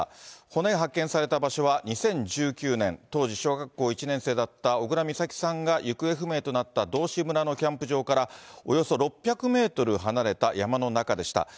骨が発見された場所は２０１９年、当時小学校１年生だった小倉美咲さんが行方不明となった、道志村のキャンプ場からおよそ６００メートル離れた山の中でした。